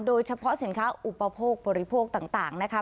โดยเฉพาะสินค้าอุปโภคบริโภคต่างนะคะ